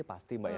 pasti mbak ya